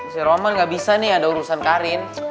si roman gak bisa nih ada urusan kak rin